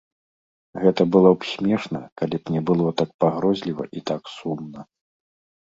Гэта было б смешна, калі б не было так пагрозліва і так сумна.